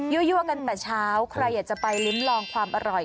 กันแต่เช้าใครอยากจะไปลิ้มลองความอร่อย